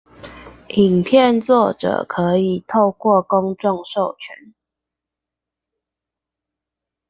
影片作者可以透過公眾授權